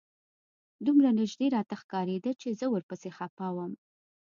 دومره نژدې راته ښکارېده چې زه ورپسې خپه وم.